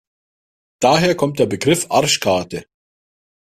Daher kommt der Begriff Arschkarte.